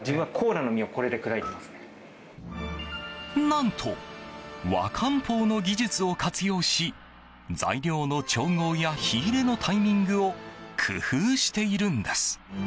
何と、和漢方の技術を活用し材料の調合や火入れのタイミングを工夫しているんです。